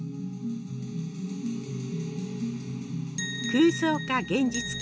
空想か現実か。